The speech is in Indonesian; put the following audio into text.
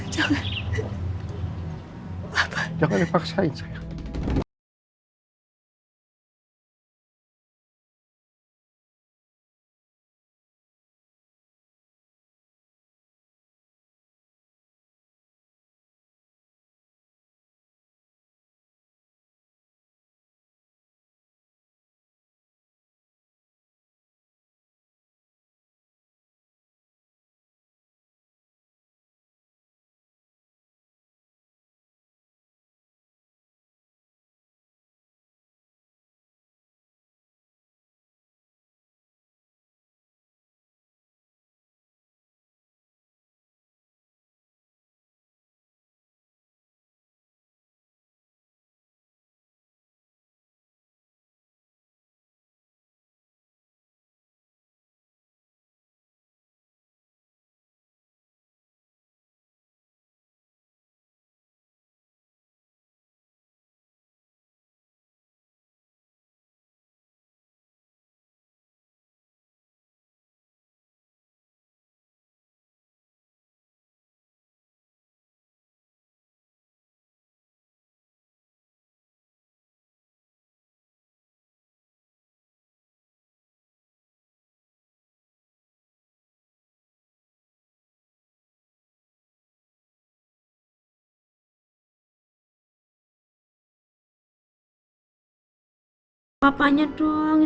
yang perlu diperbaiki